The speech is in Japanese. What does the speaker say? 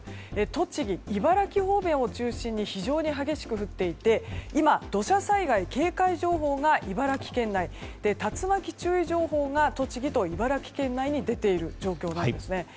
栃木、茨城方面を中心に非常に激しく降っていて今、土砂災害警戒情報が茨城県内、竜巻注意情報が栃木と茨城県内に出ている状況なんですね。